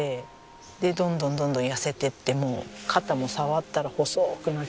でどんどんどんどん痩せていってもう肩も触ったら細くなっちゃうような。